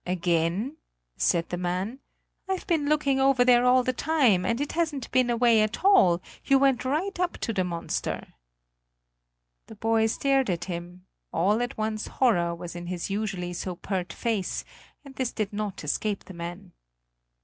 "Again?" said the man; "I've been looking over there all the time, and it hasn't been away at all; you went right up to the monster." The boy stared at him; all at once horror was in his usually so pert face, and this did not escape the man.